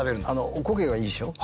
おこげがいいでしょう？